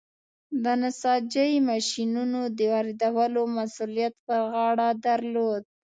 د نساجۍ ماشینونو د واردولو مسوولیت پر غاړه درلود.